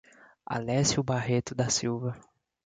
Alecio Barreto da Silva